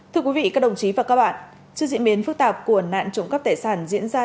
thưa quý vị các đồng chí và các bạn trước diễn biến phức tạp của nạn trộm cắp tài sản diễn ra